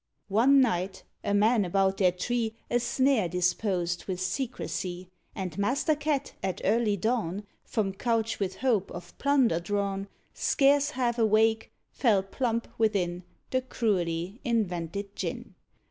One night, a man about their tree A snare disposed with secresy; And Master Cat, at early dawn, From couch with hope of plunder drawn, Scarce half awake, fell plump within The cruelly invented gin.